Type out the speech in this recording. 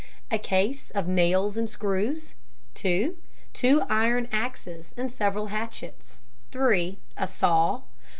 A case of nails and screws. 2. Two iron axes and several hatchets. 3. A saw.